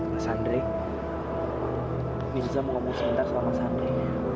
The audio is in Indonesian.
mas andre mirza mau ngomong sebentar sama mas andre